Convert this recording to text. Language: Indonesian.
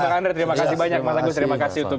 bang andre terima kasih banyak mas agus terima kasih untuk